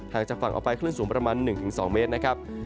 ทางจากฝั่งเอาไปคลื่นสูงประมาณ๑๒เมตร